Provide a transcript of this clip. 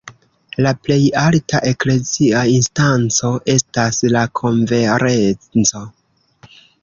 La plej alta eklezia instanco estas la Konferenco.